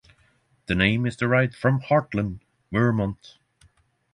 The name is derived from Hartland, Vermont.